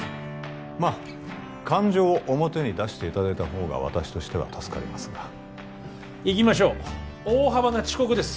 まあ感情を表に出していただいた方が私としては助かりますが行きましょう大幅な遅刻です